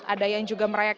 ada yang juga merayakan